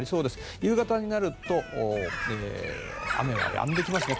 夕方になると関東でも雨はやんできます。